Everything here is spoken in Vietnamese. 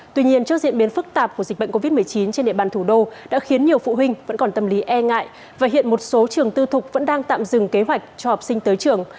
tuy nhiên trước diễn biến phức tạp của dịch bệnh covid một mươi chín trên địa bàn thủ đô đã khiến nhiều phụ huynh vẫn còn tâm lý e ngại và hiện một số trường tư thục vẫn đang tạm dừng kế hoạch cho học sinh tới trường